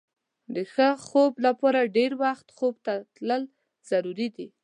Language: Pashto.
د ښه خوب لپاره پر وخت خوب ته تلل ضروري دي.